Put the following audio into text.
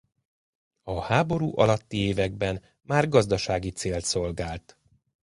A háború alatti években már gazdasági célt szolgált.